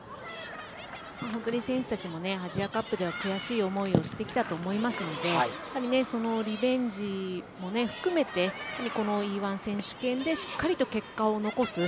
選手たちもアジアカップでは悔しい思いをしてきたと思いますのでそのリベンジも含めてこのＥ‐１選手権でしっかり結果を残す。